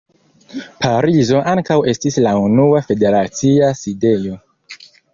Parizo ankaŭ estis la unua federacia sidejo.